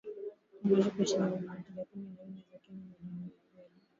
kwa malipo ya shilingi bilioni thelathini na nne za Kenya milioni mia mbili